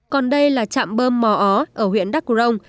còn đây là trạm bơm mò ó ở huyện đắc rồng